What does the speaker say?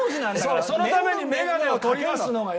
そのために眼鏡を取り出すのがイヤなの。